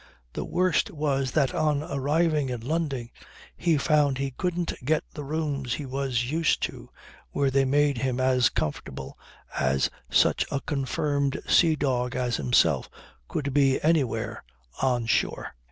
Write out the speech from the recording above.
The worst was that on arriving in London he found he couldn't get the rooms he was used to, where they made him as comfortable as such a confirmed sea dog as himself could be anywhere on shore.